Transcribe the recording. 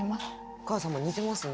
お母様似てますね。